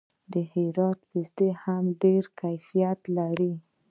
د هرات پسته هم ډیر کیفیت لري.